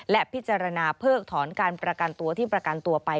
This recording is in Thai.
และพิจารณาเพิกถอนการประกันตัวที่ประกันตัวไป